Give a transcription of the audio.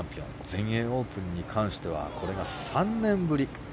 全英オープンに関してはこれが３年ぶり。